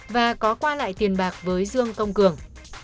và có qua lại tiền bạc với dương công cường